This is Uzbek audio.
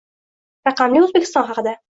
Raqamli O'zbekiston haqida